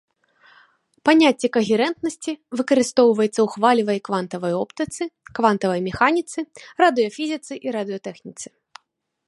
Паняцце кагерэнтнасці выкарыстоўваецца ў хвалевай і квантавай оптыцы, квантавай механіцы, радыёфізіцы і радыётэхніцы.